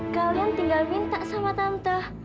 kalian tinggal minta sama tante